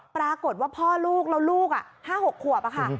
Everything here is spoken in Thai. ปรากฏว่าพ่อลูกแล้วลูก๕๖ขวบค่ะ